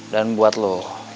dan buat lo